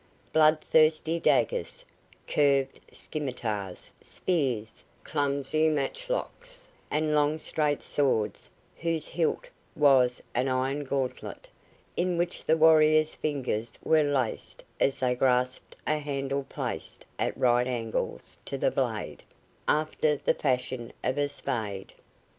Bloodthirsty daggers, curved scimitars, spears, clumsy matchlocks, and long straight swords, whose hilt was an iron gauntlet, in which the warrior's fingers were laced as they grasped a handle placed at right angles to the blade, after the fashion of a spade.